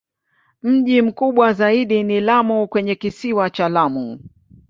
Mji mkubwa zaidi ni Lamu kwenye Kisiwa cha Lamu.